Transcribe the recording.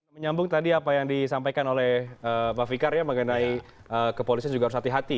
menyambung tadi apa yang disampaikan oleh pak fikar ya mengenai kepolisian juga harus hati hati